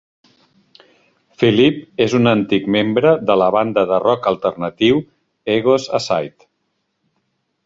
Phillip és un antic membre de la banda de rock alternatiu "Egos Aside".